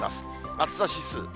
暑さ指数。